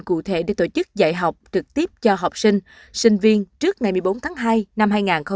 cụ thể để tổ chức dạy học trực tiếp cho học sinh sinh viên trước ngày một mươi bốn tháng hai năm hai nghìn hai mươi